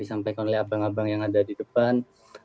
disampaikan oleh abang abang yang ada di depan